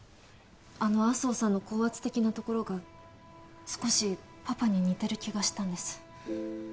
あの安生さんの高圧的なところが少しパパに似てる気がしたんです。